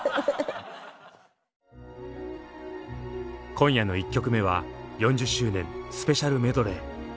今夜の１曲目は４０周年スペシャルメドレー。